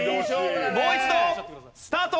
もう一度スタート！